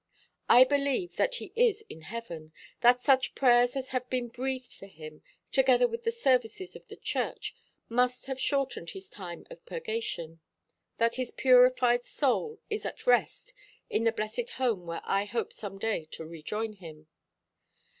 I believe that he is in heaven, that such prayers as have been breathed for him, together with the services of the Church, must have shortened his time of purgation, that his purified soul is at rest in the blessed home where I hope some day to rejoin him.